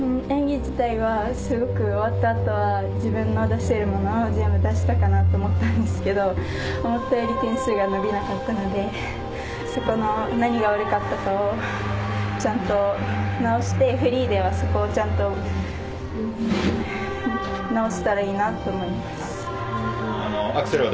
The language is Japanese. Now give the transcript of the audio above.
演技自体はすごく終わった後は自分の出せるものは全て出したかなと思ったんですけど思ったより点数が伸びなかったのでそこの何が悪かったのかをちゃんと直してフリーではそこをちゃんと直したらいいなと思います。